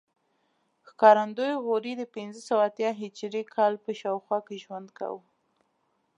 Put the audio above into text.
ښکارندوی غوري د پنځه سوه اتیا هجري کال په شاوخوا کې ژوند کاوه